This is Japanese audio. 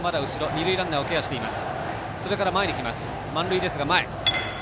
二塁ランナーをケアしています。